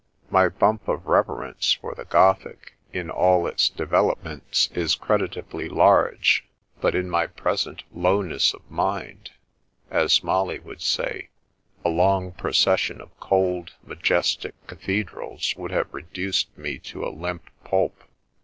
My bump of rever ence for the Gothic in all its developments is credit ably large, but in my present " lowness of mind," as Molly would say, a long procession of cold, ma jestic cathedrals would have reduced me to a limp pulp.